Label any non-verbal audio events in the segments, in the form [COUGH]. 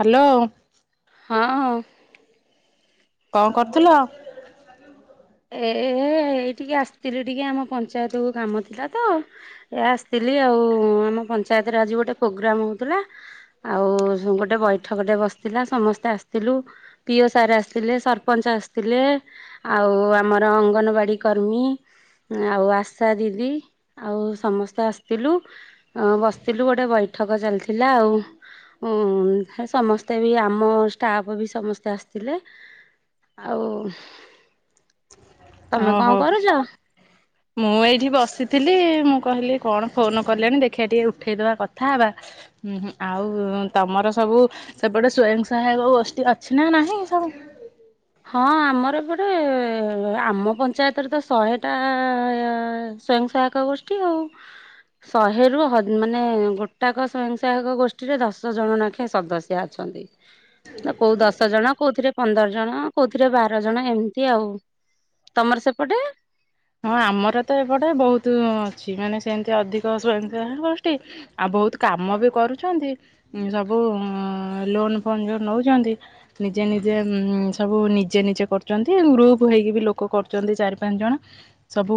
Hello. ହଁ। କଣ କରୁଥିଲ? ଏ ଏଇ ଟିକେ ଆସିଥିଲି ଟିକେ ଆମ ପଞ୍ଚାୟତକୁ କାମ ଥିଲା ତ। ଏ ଆସିଥିଲି ଆଉ ଆମ ପଞ୍ଚାୟତରେ ଆଜି ଗୋଟେ ପ୍ରୋଗ୍ରାମ ହଉଥିଲା। ଆଉ ଗୋଟେ ବୈଠକଟେ ବସିଥିଲା ସମସ୍ତେ ଆସିଥିଲୁ। ପିଓ ସାର୍ ଆସିଥିଲେ ସରପଞ୍ଚ ଆସିଥିଲେ ଆଉ ଆ ଆମର ଅଙ୍ଗନବାଡ଼ି କର୍ମୀ ଆଉ ଆଶା ଦିଦି ଆଉ ସମସ୍ତେ ଆସିଥିଲୁ। ହଁ ବସିଥିଲୁ ଗୋଟେ ବୈଠକ ଚାଲିଥିଲା ଆଉ। ଉଁ ହେ ସମସ୍ତେ ବି ଆମ ଷ୍ଟାଫ୍ ବି ସମସ୍ତେ ଆସିଥିଲେ। ଆଉ ଓ ହୋ। ହ। ମୁଁ ଏଇଠି ବସିଥିଲି ମୁଁ କହିଲି କଣ ଫୋନ କଲେଣି ଦେଖିବା ଟିକେ ଉଠେଇଦବା କଥା ହେବା। ଉ ହୁଁଁ ଆଉ ତମର ସବୁ ସେପଟେ ସ୍ଵୟଂସହାୟକ ଗୋଷ୍ଠି ଆଚ୍ଛି ନା ନାହି ସବୁ। ହଁ ଆମର ଏପଟେ ଆମ ପଞ୍ଚାୟତରେ ତ ଶହେଟା ସ୍ଵୟଂ ସହାୟକ ଗୋଷ୍ଠୀ ଆଉ। ଶହେରୁ ହ ମାନେ ଗୋଟାକ ସଵୟଂସହାୟକ ଗୋଷ୍ଠୀରେ ଦଶ ଜଣ ନାଖେଁ ସଦସ୍ୟା ଅଛନ୍ତି। ନା କୋଉ ଦଶ ଜଣ କୋଉଥିରେ ପନ୍ଦର ଜଣ। କୋଉଥିରେ ବାର ଜଣ ଏମିତି ଆଉ ତମର ସେପଟେ। ହଁ ଆମର ତ ଏପଟେ ବହୁତ ଅଛି ମାନେ ସେମିତି ଅଧିକ ସ୍ୱୟଂସହାୟକ ଗୋଷ୍ଠୀ। ଆଉ ବହୁତ କାମ ବି କରୁଚନ୍ତି ସବୁ ଲୋନ ଫୋନ ଯୋଉ ନଉଚନ୍ତି ନିଜେ ନିଜେ ସବୁ ନିଜେ ନିଜେ କରୁଚନ୍ତି ଗ୍ରୁପ ହେଇକି ବି ଲୋକ କରୁଚନ୍ତି ଚାରି ପାଞ୍ଚ ଜଣ। ସବୁ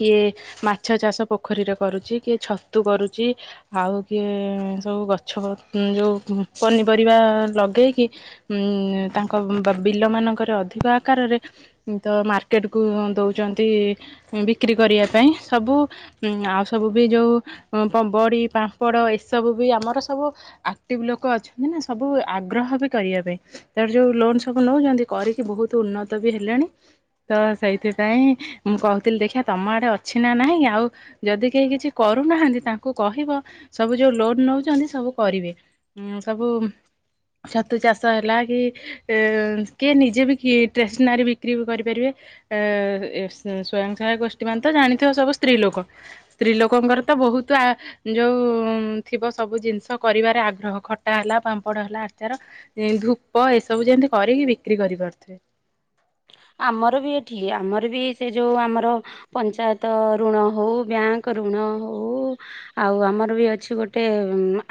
କିଏ ମାଛ ଚାଷ ପୋଖରୀରେ କରୁଚି କିଏ ଛତୁ କରୁଚି। ଆଉ କିଏ ସବୁ ଗଛ ଯୋଉ ପନିପରିବା ଲଗେଇକି ଉଁ ତାଙ୍କ ବା ବିଲ ମାନଙ୍କରେ ଅଧିକ ଆକାରରେ ତ ମାର୍କେଟ କୁ ଦଉଚନ୍ତି ବିକ୍ରି କରିବା ପାଇଁ ସବୁ ଆଉ ସବୁ ବି ଯୋଉ ପ ବଡ଼ି ପାମ୍ପଡ଼ ଏସବୁ ବି ଆମର ସବୁ ଆକ୍ଟିଭ ଲୋକ ଅଛନ୍ତି ନା ସବୁ ଆଗ୍ରହ ବି କରିବା ପାଇଁ। ତାପରେ ଯୋଉ ଲୋନ ସବୁ ନଉଛନ୍ତି କରିକି ବହୁତ ଉନ୍ନତ ବି ହେଲେଣି ତ ସେଇଥି ପାଇଁ ମୁଁ କହୁଥିଲି ଦେଖିିଆ ତମ ଆଡେ ଅଛି ନା ନାହିଁ ଆଉ ଯଦି କେହି କିଛି କରୁନାହାନ୍ତି ତାଙ୍କୁ କହିବ ସବୁ ଯୋଉ ଲୋନ ନଉଛନ୍ତି ସବୁ କରିବେ। ଉ ସବୁ ଛତୁ ଚାଷ ହେଲା କି ଏ କିଏ ନିଜେ ବି ଟେସନାରୀ ବିକ୍ରି ବି କରିପାରିବେ ଏ ଏ ଏ ସ୍ଵୟଂ ସହାୟକ ଗୋଷ୍ଠୀ ମାନେ ତ ଜାଣିଥିବ ସବୁ ସ୍ତ୍ରୀ ଲୋକ ସ୍ତ୍ରୀ ଲୋକଙ୍କର ତ ବହୁତ ଆ ଯୋଉ ଥିବ ସବୁ ଜିନିଷ କରିବାରେ ଆଗ୍ରହ ଖଟା ହେଲା ପାମ୍ପଡ ହେଲା ଆଚାର ଏଇ ଧୂପ ଏସବୁ ଯେମିତି କରିକି ବିକ୍ରି କରିପାରୁଥିବେ। ଆମର ବି ଏଠି ଆମର ବି ସେ ଯଉ ଆମର ପଞ୍ଚାୟତ ଋଣ ହଉ ବ୍ୟାଙ୍କ ଋଣ ହଉ ଆଉ ଆମର ବି ଅଛି ଗୋଟେ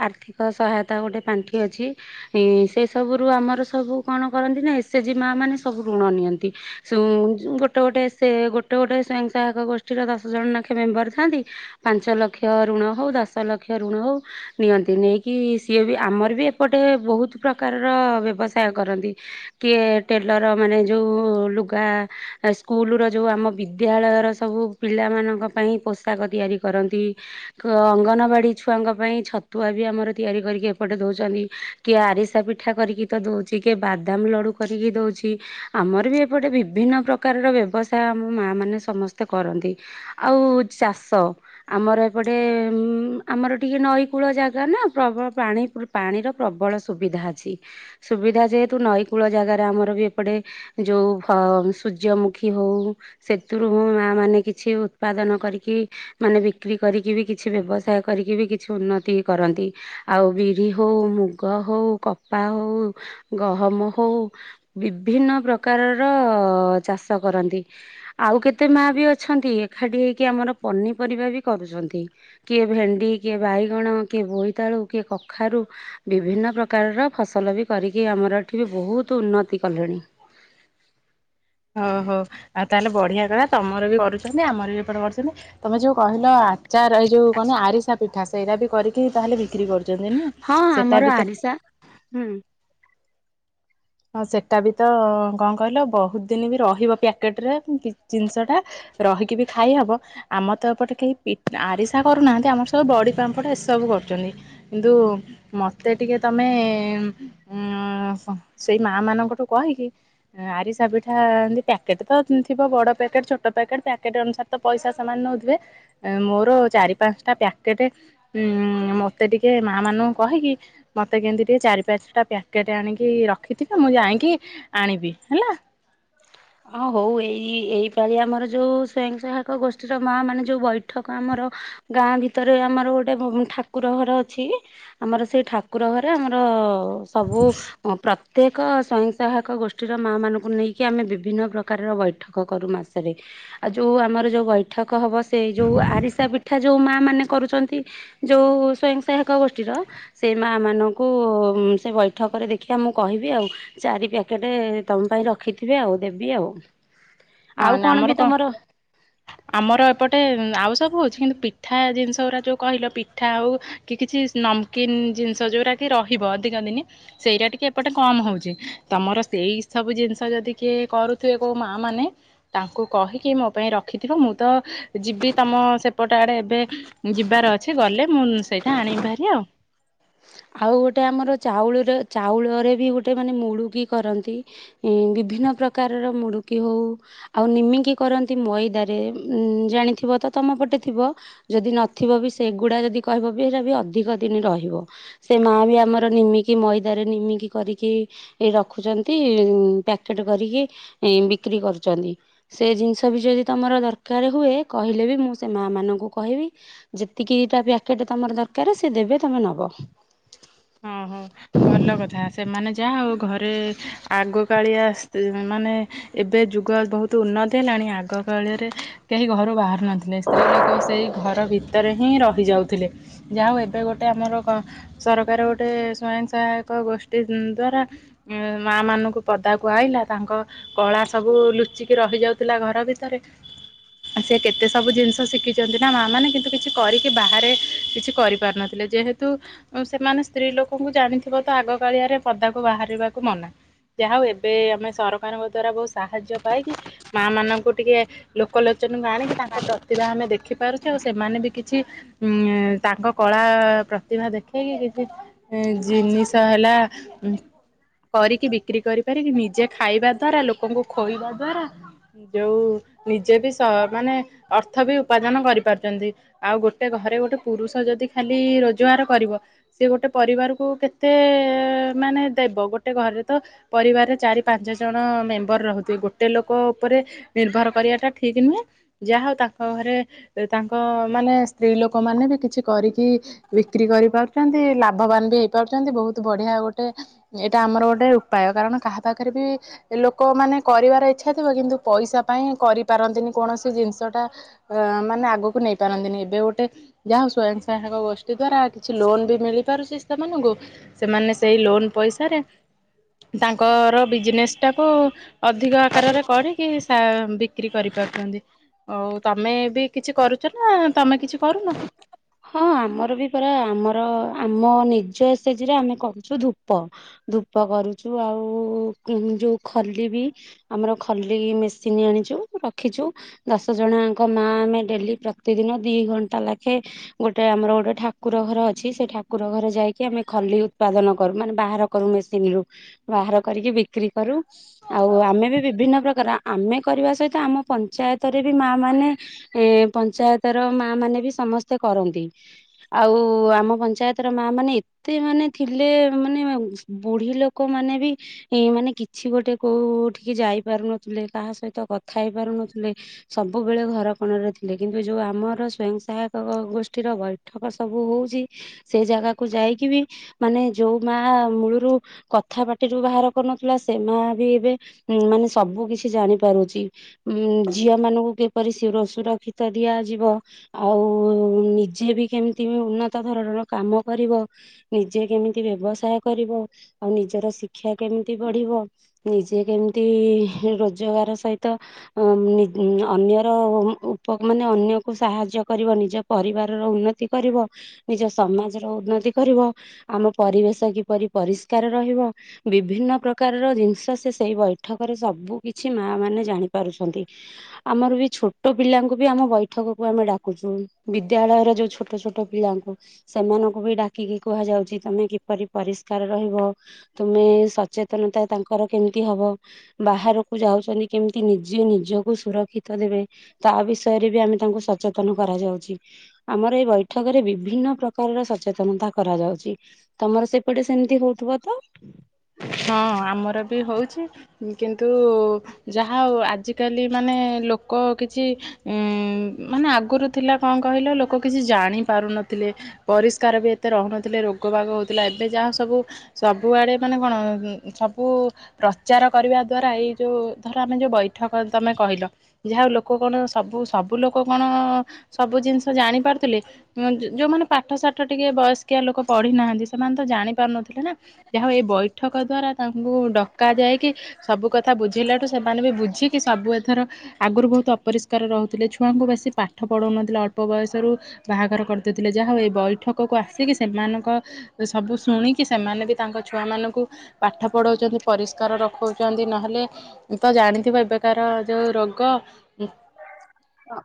ଆର୍ଥିକ ସହାୟତା ଗୋଟେ ପାଣ୍ଠି ଅଛି। ସେ ସବୁ ରୁ ଆମର ସବୁ କଣ କରନ୍ତି ନା ଏସ ଏ ଜି ମା ମାନେ ସବୁ ଋଣ ନିଅନ୍ତି। ସୁଇଁ ଗୋଟେ ଗୋଟେ ସେ ଗୋଟେ ଗୋଟେ ସ୍ଵୟଂ ସହାୟକ ଗୋଷ୍ଠୀର ଦଶ ଜଣ ନାଖେ ମେମ୍ବର ଥାନ୍ତି। ପାଞ୍ଚ ଲକ୍ଷ ଋଣ ହଉ ଦଶ ଲକ୍ଷ ଋଣ ହଉ ନିଅନ୍ତି ନେଇକି ସିଏ ବି ଆମର ବି ଏପଟେ ବହୁତ ପ୍ରକାରର ବ୍ୟବସାୟ କରନ୍ତି। କିଏ ଟେଲର ମାନେ ଯୋଉ ଲୁଗା ସ୍କୁଲର ଯୋଉ ଆମ ବିଦ୍ୟାଳୟର ସବୁ ପିଲାମାନଙ୍କ ପାଇଁ ପୋଷାକ ତିଆରି କରନ୍ତି। ତ ଅଙ୍ଗନବାଡି ଛୁଆଙ୍କ ପାଇଁ ଛତୁଆ ବି ଆମର ତିଆରି କରିକି ଏପଟେ ଦଉଛନ୍ତି। କିଏ ଆରିସା ପିଠା କରିକି ତ ଦଉଚି କିଏ ବାଦାମ ଲଡୁ କରିକି ଦଉଚି। ଆମର ବି ଏପଟେ ବିଭିନ୍ନ ପ୍ରକାରର ବ୍ୟବସାୟ ଆମ ମା ମାନେ ସମସ୍ତେ କରନ୍ତି। ଆଉ ଚାଷ ଆମର ଏପଟେ ଆମର ଟିକେ ନଈକୂଳ ଜାଗା ନା ପ୍ରବଳ ପାଣି ପୁ ପାଣିର ପ୍ରବଳ ସୁବିଧା ଅଛି ସୁବିଧା ଯେହେତୁ ନଈକୂଳ ଜାଗାରେ ଆମର ବି ପଟେ ଯୋଉ ଫ ସୂର୍ଯ୍ୟମୁଖୀ ହଉ ସେଥିରୁ ବି ମା ମାନେ କିଛି ଉତ୍ପାଦନ କରିକି ମାନେ ବିକ୍ରି କରିକି ବି କିଛି ବ୍ୟବସାୟ କରିକି ବି କିଛି ଉନ୍ନତି କରନ୍ତି। ଆଉ ବିରି ହଉ ମୁଗ ହଉ କପା ହଉ ଗହମ ହଉ ବିଭିନ୍ନ ପ୍ରକାରର ଚାଷ କରନ୍ତି। ଆଉ କେତେ ମା ବି ଅଛନ୍ତି ଏଖାଠି ହେଇକି ଆମର ପନିପରିବା ବି କରୁଛନ୍ତି। କିଏ ଭେଣ୍ଡି କିଏ ବାଇଗଣ କିଏ ବୋଇତାଳୁ କିଏ କଖାରୁ ବିଭିନ୍ନ ପ୍ରକାରର ଫସଲ ବି କରିକି ଆମର ଏଠି ବି ବହୁତ ଉନ୍ନତି କଲେଣି। [INAUDIBLE] ଓହୋ ଆଉ ତାହେଲେ ବଢ଼ିଆ କଥା ତମର ବି କରୁଛନ୍ତି ଆମର ବି ଏପଟେ କରୁଛନ୍ତି। ତମେ ଯୋଉ କହିଲ ଆଚାର ଏଇ ଯୋଉ କଣନି ଆରିସା ପିଠା ସେଇରା ବି କରିକି ତାହେଲେ ବିକ୍ରି କରୁ ହଁ ଆମର ଆରିସା ହୁଁ। ହଁ ସେଟା ବି ତ କଣ କହିଲ ବହୁତ ଦିନି ବି ରହିବ ପ୍ୟାକେଟ୍ ରେ ଜିନିଷଟା। ରହିକି ବି ଖାଇ ହବ। ଆମ ତ ଏପଟେ କେହି ପି ଆରିସା କରୁନାହାନ୍ତି ଆମର ସବୁ ବଡ଼ି ପାମ୍ପଡ ଏସବୁ କରୁଛନ୍ତି। କିନ୍ତୁ ମତେ ଟିକେ ତମେ ଉ ସେଇ ମା ମାନଙ୍କ ଠୁ କହିକି ଆରିସା ପିଠା ଏନ୍ତି ପ୍ୟାକେଟ ତ ଥିବ ବଡ଼ ପ୍ୟାକେଟ୍ ଛୋଟ ପ୍ୟାକେଟ୍ ପ୍ୟାକେଟ୍ ଅନୁସାରେ ପଇସା ସେମାନେ ନଉଥିବେ ମୋର ଚାରି ପାଞ୍ଚଟା ପ୍ୟାକେଟ ଉ ମ ତେ ଟିକେ ମା ମାନଙ୍କୁ କହିକି ମୋତେ କେମତିି ଟିକେ ଚାରି ପାଞ୍ଚଟା ପ୍ୟାକେଟ୍ ଆଣିକି ର ରଖିଥିବ ମୁଁ ଯାଇକି ଆଣିବି ହେଲା। [INAUDIBLE] ହଁ ହଉ ଏଇ ଏଇ ପାଳି ଆମର ଯୋଉ ସ୍ଵୟଂ ସହାୟକ ଗୋଷ୍ଠୀର ମା ମାନେ ଯୋଉଁ ବୈଠକ ଆମର ଗାଁ ଭିତରେ ଆମର ଗୋଟେ ଠାକୁର ଘର ଅଛି। ଆମର ସେଇ ଠାକୁର ଘରେ ଆମର ସବୁ ପ୍ରତ୍ୟେକ ସ୍ଵୟଂ ସହାୟକ ଗୋଷ୍ଠୀର ମା ମାନଙ୍କୁ ନେଇ କି ଆମେ ବିଭିନ୍ନ ପ୍ରକାରର ବୈଠକ କରୁ ମାସରେ ଆଉ ଯୋଉ ଆମର ଯୋଉ ବୈଠକ ହବ ସେଇ ଯୋଉ ଆରିସା ପିଠା ଯୋଉ ମା ମାନେ କରୁଛନ୍ତି ଯୋଉ ସ୍ଵୟଂ ସହାୟକ ଗୋଷ୍ଠୀର ସେଇ ମା ମାନଙ୍କୁ ସେ ବୈଠକରେ ଦେଖିବା ମୁଁ କହିବି ଆଉ। ଚାରି ପ୍ୟାକେଟେ ତମ ପାଇଁ ରଖିଥିବେ ଆଉ ଦେବି ଆଉ। ହଁ ଆଉ କଣ ବି ନାମର କ ତମର ଆମର ଏପଟେ ଆଉ ସବୁ ହଉଛି କିନ୍ତୁ ପିଠା ଜିନିଷ ଗୁତା ଯୋଉ କହିଲ ପିଠା ହଉ କି କିଛି ନମକିନ୍ ଜିନିଷ ଯୋଉରା କି ରହିବ ଅଧିକ ଦିନି। ସେଇରା ଟିକେ ଏପଟେ କମ୍ ହଉଛି ତମର ସେଇ ସବୁ ଜିନିଷ ଯଦି କିଏ କରୁଥିବେ କୋଉ ମାଆ ମାନେ ତାଙ୍କୁ କହିକି ମୋ ପାଇଁ ରଖିଥିବ ମୁଁ ତ ଯିବି ତମ ସେପଟ ଆଡ଼େ ଏବେ ଯିବାର ଅଛି ଗଲେ ମୁଁ ସେଇଟା ଆଣିବି ଭାରି ଆଉ। ଆଉ ଗୋଟେ ଆମର ଚାଉଳର ଚାଉଳରେ ବି ଗୋଟେ ମାନେ ମୁଡ଼ୁକି କରନ୍ତି। ବିଭିନ୍ନ ପ୍ରକାରର ମୁଡ଼ୁକି ହଉ ଆଉ ନିମିକି କରନ୍ତି ମଇଦାରେ ଉ ଜାଣିଥିବ ତ ତମ ପଟେ ଥିବ। ଯଦି ନଥିବ ବି ସେଗୁଡ଼ା ଯଦି କହିବ ବି ହେରା ବି ଅଧିକ ଦିନି ରହିବ। ସେ ମା ବି ଆମର ନିମିକି ମଇଦାରେ ନିମିକି କରିକି ଏ ରଖୁଛନ୍ତି ପ୍ୟାକେଟ୍ କରିକି ବିକ୍ରି କରୁଛନ୍ତି। ସେ ଜିନିଷ ବି ଯଦି ତମର ଦରକାର ହୁଏ କହିଲେ ବି ମୁଁ ସେ ମା ମାନଙ୍କୁ କହିବି ଯେତିକି ଟା ପ୍ୟାକେଟ୍ ତମର ଦରକାର ସେ ଦେବେ ତମେ ନବ। ହଁ ହଁ। ଭଲ କଥା ସେମାନେ ଯାହା ହଉ ଘରେ ଆଗକାଳିଆ ସ୍ତି ମାନେ ଏବେ ଯୁଗ ବହୁତୁ ଉନ୍ନତି ହେଲାଣି ଆଗକାଳରେ କେହି ଘରୁ ବାହାରୁ ନଥିଲେ ସ୍ତ୍ରୀ ଲୋକ ସେଇ ଘର ଭିତରେ ହିଁ ରହିଯାଉଥିଲେ। ଯାହା ହଉ ଏବେ ଗୋଟେ ଆମର କ ସରକାର ଗୋଟେ ମ ସ୍ଵୟଂ ସହାୟକ ଗୋଷ୍ଠୀ ଦ୍ଵାରା ଉ ମା ମାନଙ୍କୁ ପଦା କୁଆଇଲା ତାଙ୍କ କଳା ସବୁ ଲୁଚିକି ରହି ଯାଉଥିଲା ଘର ଭିତରେ ସେ କେତେ ସବୁ ଜିନିଷ ଶିଖିଛନ୍ତି ନା ମା ମାନେ କିନ୍ତୁ କିଛି କରିକି ବାହାରେ କିଛି କରିପାରୁନାହାନ୍ତି। ଲେ ଯେହେତୁ ସେମାନେ ସ୍ତ୍ରୀ ଲୋକଙ୍କୁ ଜାଣିଥିବ ତ ଆଗ କାଳିଆରେ ପଦାକୁ ବାହାରିବାକୁ ମନା। ଯାହା ହଉ ଏବେ ଆମେ ସରକାରଙ୍କ ଦ୍ଵାରା ବହୁତ ସାହାଯ୍ୟ ପାଇକି ମା ମାନଙ୍କୁ ଟିକେ ଲୋକଲୋଚନକୁ ଆଣିକି ତାଙ୍କ ପ୍ରତିଭା ଆମେ ଦେଖିପାରୁଚୁ ସେମାନେ ବି କିଛି ଉଁ ତାଙ୍କ କଳା ପ୍ରତିଭା ଦେଖି ଇକି କିଛି ଜିନିଷ ହେଲା କରିକି ବିକ୍ରି କରିପାରିକି ନିଜେ ଖାଇବା ଦ୍ଵାରା ଲୋକଙ୍କୁ ଖୋଇବା ଦ୍ଵାରା ଯୋଉ ନିଜେ ବି ସ ମାନେ ଅର୍ଥ ବି ଉପାର୍ଜନ କରିପାରୁଚନ୍ତି। ଆଉ ଗୋଟେ ଘରେ ଗୋଟେ ପୁରୁଷ ଯଦି ଖାଲି ରୋଜଗାର କରିବ ସିଏ ଗୋଟେ ପରିବାରକୁ କେତେ ମାନେ ଦେବ? ଗୋଟେ ଘରେ ତ ପରିବାରରେ ଚାରି ପାଞ୍ଚ ଜଣ ମେମ୍ବର ରହୁଥେ। ଗୋଟେ ଲୋକ ଉପରେ ନିର୍ଭର କରିବା ଟା ଠିକ ନୁହେଁ। ଯାହା ହଉ ତାଙ୍କ ଘରେ ତାଙ୍କ ମାନେ ସ୍ତ୍ରୀ ଲୋକ ମାନେ ବି କିଛି କରିକି ବିକ୍ରି କରିପାରୁଚନ୍ତି ଲାଭବାନ ବି ହେଇପାରୁଚନ୍ତି। ବହୁତ ବଢିଆ ଗୋଟେ ଏଇଟା ଆମର ଗୋଟେ ଉପାୟ। କାରଣ କାହା ପାଖରେ ବି ଲୋକ ମାନେ କରିବାର ଇଚ୍ଛା ଥିବ କିନ୍ତୁ ପଇସା ପାଇଁ କରିପାରନ୍ତିନି କୌଣସି ଜିନିଷ ଟା ଅ ମାନେ ଆଗକୁ ନେଇ ପାରନ୍ତିନି। ଏବେ ଗୋଟେ ଯାହା ହୋଉ ସ୍ଵୟଂ ସହାୟକ ଗୋଷ୍ଠୀ ଦ୍ଵାରା କିଛି ଲୋନ ବି ମିଳି ପାରୁଛି ସେମାନଙ୍କୁ ସେମାନେ ସେଇ ଲୋନ ପଇସାରେ ତାଙ୍କର ବିଜନେସ୍ ଟାକୁ ଅଧିକ ଆକାରରେ କରିକି ସା ବିକ୍ରି କରିପାରୁଚନ୍ତି। ହଉ ତମେ ବି କିଛି କରୁଚ ନା ତମେ କିଛି କରୁନ? ହଁ ଆମର ବି ପରା ଆମର ଆମ ନିଜ ଏସେ ଜି ରେ ଆମେ କରୁଛୁ ଧୂପ। ଧୂପ କରୁଚୁ ଆଉ ଯୋଉ ଖଲି ବି। ଆମର ଖଲି ମେସିନ୍ ଆଣିଚୁ ରଖିଚୁ। ଦଶ ଜଣଆଙ୍କ ମା ଆମେ ଡେଲି ପ୍ରତିଦିନ ଦି ଘଣ୍ଟା ଲାଖେ ଗୋଟେ ଆମର ଗୋଟେ ଠାକୁର ଘର ଅଛି ସେ ଠାକୁର ଘର ଯାଇକି ଆମେ ଖଲି ଉତ୍ପାଦନ କରୁ ମାନେ ବାହାର କରୁ ମେସିନ ରୁ ବାହାର କରିକି ବିକ୍ରି କରୁ। ଆଉ ଆମେ ବି ବିଭିନ୍ନ ପ୍ରକାର ଆମେ କରିବା ସହିତ ଆମ ପ ଞ୍ଚାୟତରେ ବି ମା ମାନେ ଏ ପଞ୍ଚାୟତର ମା ମାନେ ବି ସମସ୍ତେ କରନ୍ତି। ଆଉ ଆମ ପଞ୍ଚାୟତର ମା ମାନେ ଏତେ ମାନେ ଥିଲେ ମାନେ ବୁଢୀ ଲୋକ ମାନେ ବି ଏ ମାନେ କିଛି ଗୋଟେ କୋଉଠିକି ଯାଇ ପାରୁନଥିଲେ କାହା ସହିତ କଥା ହେଇ ପାରୁନଥିଲେ। ସବୁବେଳେ ଘର କୋଣ ରେ ଥିଲେ କିନ୍ତୁ ଯୋଉ ଆମର ସ୍ଵୟଂ ସହାୟକ ଗୋଷ୍ଠୀର ବୈଠକ ସବୁ ହଉଚି ସେ ଜାଗାକୁୁ ଯାଇକି ବି ମାନେ ଯୋଉ ମା ମୂଳୁରୁ କଥା ପାଟିରୁ ବାହାର କରୁନଥିଲା ସେ ମା ବି ଏବେ ଉଁ ମାନେ ସବୁ କିଛି ଜାଣି ପାରୁଚ଼ି। ଉଁ ଝିଅ ମାନଙ୍କୁ କିପରି ଶିରୋ ସୁରକ୍ଷି ତ ଦିଆଯିବ ଆଉ ଉଁ ନିଜେ ବି କେମିତି ଉନ୍ନତ ଧରଣର କାମ କରିବ ନିଜେ କେମିତି ବ୍ୟବସାୟ କରିବ ଆଉ ନିଜର ଶି କ୍ଷା କେମିତି ବଢିବ ନିଜେ କେମ୍ ତି ରୋଜଗାର ସହିତ ଅ ନିଦ୍ ଅନ୍ୟର ଉପକ୍ ମାନେ ଅନ୍ୟକୁ ସାହାଯ୍ୟ କରିବ ନିଜ ପରିବାର ର ଉନ୍ନତି କରିବ। ନିଜ ସମାଜର ଉନ୍ନତି କରିବ। ଆମ ପରିବେଶ କିପରି ପରିଷ୍କାର ରହିବ ବିଭିନ୍ନ ପ୍ରକ୍ କାରର ଜିନିଷ ସେ ସେଇ ବୈଠକରେ ସବୁ କିଛି ମା ମାନେ ଜାଣି ପାରୁଛନ୍ତି। ଆମର ବି ଛୋଟ ପିଲାଙ୍କୁ ବି ଆମ ବୈଠକକୁ ଆମେ ଡାକୁଚୁ। ବିଦ୍ୟାଳୟର ଯୋଉ ଛୋଟ ଛୋଟ ପିଲାଙ୍କୁ। ସେମାନଙ୍କୁ ବି ଡାକିକି କୁହାଯାଉଚ଼ି ତମେ କିପରି ପରିଷ୍କାର ରହିବ। ତୁମେ ସଚେତନ ତା ତାଙ୍କର କେମିତି ହବ ବାହାରକୁ ଯାଉଚ଼ନ୍ତି କେମିତି ନିଜେ ନିଜକୁ ସୁରକ୍ଷିତ ଦେବେ। ତା ବିଷୟରେ ବି ଆମେ ତାଙ୍କୁ ସଚେତନ କରାଯାଉଚି। ଆମର ଏଇ ବୈଠକ ରେ ବିଭିନ୍ନ ପ୍ରକାରର ସଚେତନତା କରାଯାଉଚି। ତମର ସେପଟେ ସେମିତି ହଉଥିବ ତ? ହଁ ଆମର ବି ହଉଚି। କିନ୍ତୁ ଯାହା ହଉ ଆଜି କାଲି ମାନେ ଲୋକ କିଛି ଉଁ- ମାନେ ଆଗୁରୁ ଥିଲା କଣ୍ କହିଲ ଲୋକ କିଛି ଜାଣି ପାରୁନଥିଲେ। ପରିଷ୍କାର ବି ଏତେ ରହୁ ନଥିଲେ ରୋଗ ବାଗ ହଉଥିଲା ଏବେ ଯାହା ସବୁ- ସବୁଆଡେ ମାନେ କଣ ଗୁଁ -ସବୁ ପ୍ରଚାର କରିବା ଦ୍ଵାରା ଏଇ ଯଉ ଧର ଆମେ ଯଉ ବୈଠକ ତମେ କହିଲ ଯାହା ହଉ ଲୋକ କଣ ସବୁ- ସବୁ ଲୋକ କଣ ସବୁ ଜିନିଷ ଜାଣି ପାରୁଥିଲେ ଉଁ- ଯଉମାନେ ପାଠ ସାଠ ଟିକେ ବୟସ୍କିଆ ଲୋକ ପଢି ନାହାନ୍ତି ସେମାନେ ତ ଜାଣି ପାରୁନଥିଲେ ନା। ଯାହା ହଉ ଏ ବୈଠକ ଦ୍ଵାରା ତାଙ୍କୁ ଡକାଯାଇ କି ସବୁ କଥା ବୁଝେଇଲାଠୁ ସେମାନେ ବି ବୁଝିକି ସବୁ ଏଥର ଆଗରୁ ବହୁତ ଅପରିଷ୍କାର ରହୁଥିଲେ ଛୁଆଙ୍କୁ ବେଶୀ ପାଠ ପଢ଼ଉନଥିଲେ ଅଳ୍ପ ବୟସରୁ ବାହାଘର କରିଦେଉଥିଲେ ଯାହା ହଉ ଏଇ ବୈଠକକୁ ଆସିକି ସେମାନଙ୍କ ସବୁ ଶୁଣିକି ସେମାନ୍ ଆମେ ବି ତାଙ୍କ ଛୁଆମାନଙ୍କୁ ପାଠ ପଢଉଚନ୍ତି ପରିଷ୍କାର ରଖଉଚନ୍ତି ନହେଲେ ତ ଜାଣିଥିବ ଏବେକାର ଯଉ ରୋଗ ଅ-।